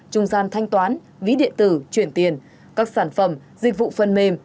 trung gian thanh toán ví điện tử chuyển tiền các sản phẩm dịch vụ phần mềm